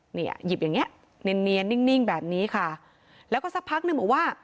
หยิบอย่างเงี้เนียนนิ่งแบบนี้ค่ะแล้วก็สักพักนึงบอกว่า